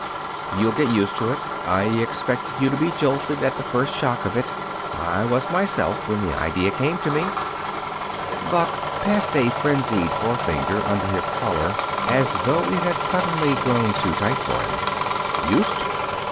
"You'll get used to it. I expected you to be jolted at the first shock of it. I was, myself when the idea came to me." Buck passed a frenzied forefinger under his collar, as though it had suddenly grown too tight for him. "Used to it!